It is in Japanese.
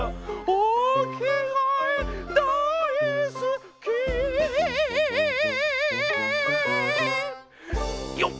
おきがえだいすきよっ！